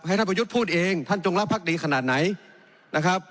ท่านประยุทธ์พูดเองท่านจงรักภักดีขนาดไหนนะครับ